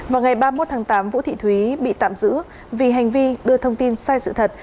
vào ngày ba mươi một tháng tám vũ thị thúy bị tạm giữ vì hành vi đưa thông tin sai sự thật